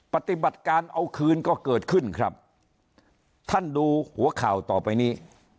ปฏิบัติการเอาคืนก็เกิดขึ้นครับท่านดูหัวข่าวต่อไปนี้